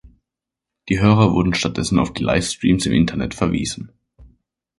Die Hörer wurden stattdessen auf die Livestreams im Internet verwiesen.